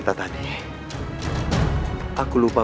kepada prabu siliwang